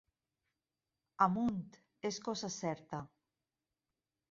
Amunt, és cosa certa!